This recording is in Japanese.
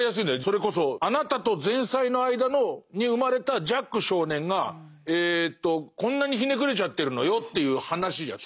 それこそあなたと前妻の間に生まれたジャック少年がこんなにひねくれちゃってるのよという話じゃん。